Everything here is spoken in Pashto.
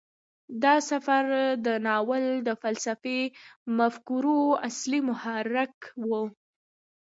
دا سفر د ناول د فلسفي مفکورو اصلي محرک و.